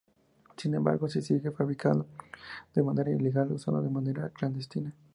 Sin embargo se sigue fabricando de manera ilegal y usando de manera clandestina.